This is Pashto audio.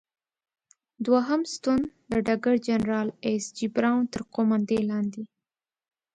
دوهم ستون د ډګر جنرال ایس جې براون تر قوماندې لاندې.